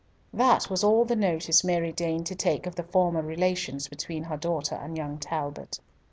That was all the notice Mary deigned to take of the former relations between her daughter and young Talbot.